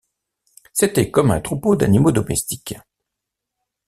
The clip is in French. C’était comme un troupeau d’animaux domestiques.